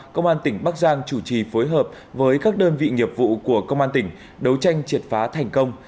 công an tỉnh bắc giang chủ trì phối hợp với các đơn vị nghiệp vụ của công an tỉnh đấu tranh triệt phá thành công